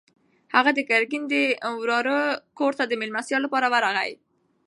هغه د ګرګین د وراره کور ته د مېلمستیا لپاره ورغی.